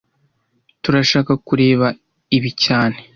Turashaka kureba ibi cyane